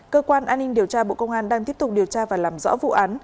cơ quan an ninh điều tra bộ công an đang tiếp tục điều tra và làm rõ vụ án